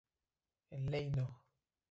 En Ley No.